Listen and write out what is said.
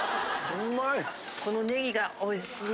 このネギがおいしい。